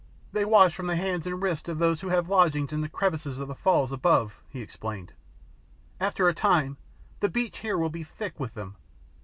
"They wash from the hands and wrists of those who have lodgings in the crevices of the falls above," he explained. "After a time the beach here will be thick with them.